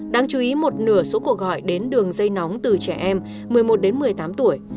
đáng chú ý một nửa số cuộc gọi đến đường dây nóng từ trẻ em một mươi một đến một mươi tám tuổi